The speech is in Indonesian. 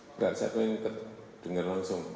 bukan saya mau dengar langsung